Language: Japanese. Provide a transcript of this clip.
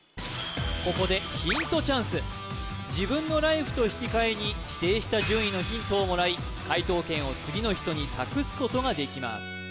ここで自分のライフと引き換えに指定した順位のヒントをもらい解答権を次の人に託すことが出来ます